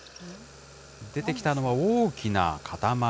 出てきたのは大きな塊。